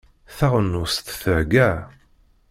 Taɣenust thegga.